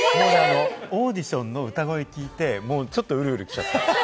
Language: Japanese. オーディションの歌声、聴いて、もうちょっとウルウルきちゃった。